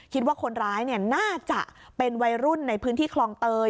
คิดว่าคนร้ายน่าจะเป็นวัยรุ่นในพื้นที่คลองเตย